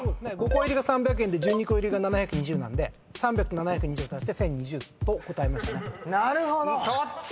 ５コ入りが３００円で１２コ入りが７２０なんで３００と７２０を足して「１，０２０」と答えましたね。